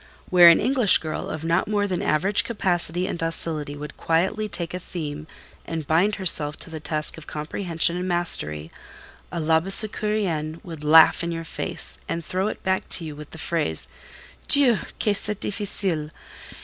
Where an English girl of not more than average capacity and docility would quietly take a theme and bind herself to the task of comprehension and mastery, a Labassecourienne would laugh in your face, and throw it back to you with the phrase,—"Dieu, que c'est difficile!